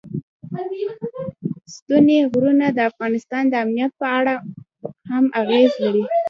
ستوني غرونه د افغانستان د امنیت په اړه هم اغېز لري.